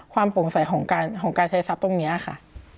โปร่งใสของการใช้ทรัพย์ตรงนี้ค่ะ